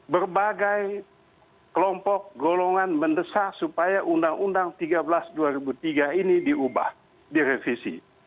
berbagai kelompok golongan mendesak supaya undang undang tiga belas dua ribu tiga ini diubah direvisi